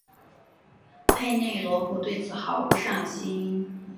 佩内洛普对此毫不上心。